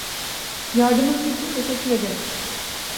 Yardımınız için teşekkür ederim.